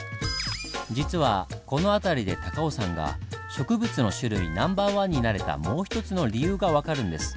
実はこの辺りで高尾山が植物の種類ナンバーワンになれたもう一つの理由が分かるんです。